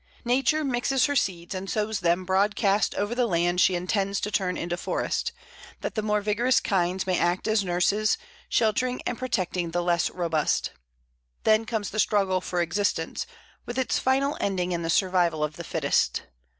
Nature mixes her seeds and sows them broadcast over the land she intends to turn into forest, that the more vigorous kinds may act as nurses, sheltering and protecting the less robust. Then comes the struggle for existence, with its final ending in the survival of the fittest.